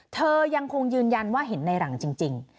เธอยังคงยืนยันว่าเห็นในหลังจริง